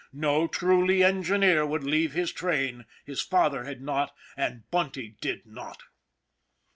No truly engineer would leave his train; his father had not, and Bunty did not.